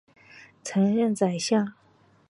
曾任宰相。